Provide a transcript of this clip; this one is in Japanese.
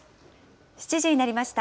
７時になりました。